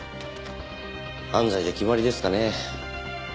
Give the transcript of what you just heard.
安西で決まりですかね。